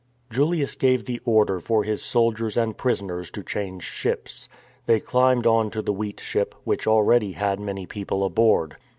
Julius gave the order for his soldiers and prisoners to change ships. They climbed on to the wheat ship, which already had many people aboard.